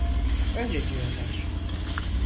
Öyle diyorlar.